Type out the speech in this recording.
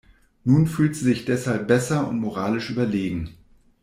Nun fühlt sie sich deshalb besser und moralisch überlegen.